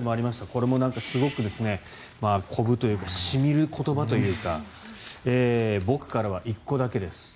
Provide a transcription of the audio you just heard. これもすごく鼓舞というか染みる言葉というか僕からは１個だけです。